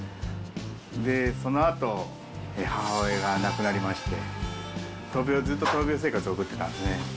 で、そのあと母親が亡くなりまして、闘病、ずっと闘病生活を送ってたんですね。